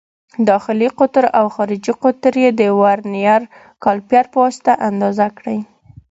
داخلي قطر او خارجي قطر یې د ورنیز کالیپر په واسطه اندازه کړئ.